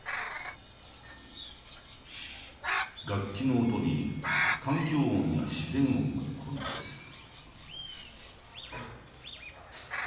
楽器の音に環境音や自然音が混在する。